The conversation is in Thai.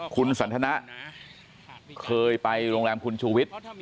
คุณสันทนะเคยไปโรงแรมคุณชูวิทย์